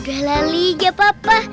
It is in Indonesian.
gak lah ali gak apa apa